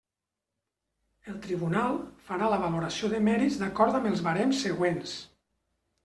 El Tribunal farà la valoració de mèrits d'acord amb els barems següents.